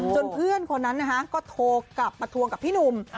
เพื่อนคนนั้นนะคะก็โทรกลับมาทวงกับพี่หนุ่ม